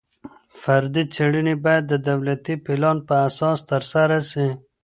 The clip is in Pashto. فردي څېړني باید د دولتي پلان په اساس ترسره سي.